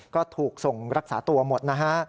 ก็ถูกส่งรักษาตัวหมดนะฮะ